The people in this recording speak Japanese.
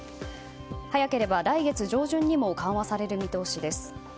早ければ来月上旬にも緩和される見通しです。